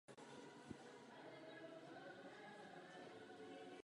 Byly to první americké muniční lodě postavené od doby druhé světové války.